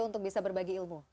untuk bisa berbagi ilmu